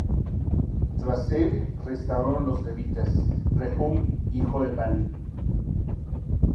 Tras él restauraron los Levitas, Rehum hijo de Bani;